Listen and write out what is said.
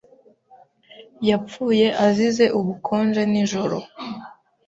Yapfuye azize ubukonje nijoro.